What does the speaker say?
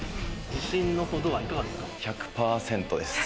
自信のほどはいかがですか？